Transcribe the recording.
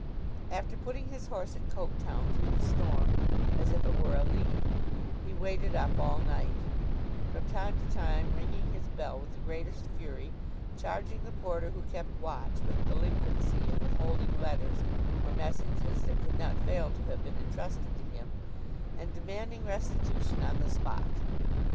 After putting his horse at Coketown through the storm, as if it were a leap, he waited up all night: from time to time ringing his bell with the greatest fury, charging the porter who kept watch with delinquency in withholding letters or messages that could not fail to have been entrusted to him, and demanding restitution on the spot.